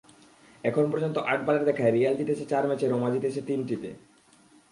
এখন পর্যন্ত আটবারের দেখায় রিয়াল জিতেছে চার ম্যাচে, রোমা জিতেছে তিনটিতে।